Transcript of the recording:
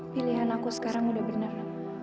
pilihan aku sekarang udah bener